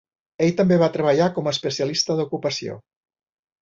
Ell també va treballar com a especialista d'ocupació.